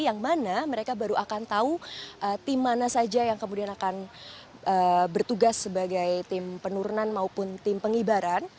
yang mana mereka baru akan tahu tim mana saja yang kemudian akan bertugas sebagai tim penurunan maupun tim pengibaran